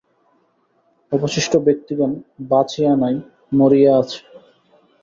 অবশিষ্ট ব্যক্তিগণ বাঁচিয়া নাই, মরিয়া আছে।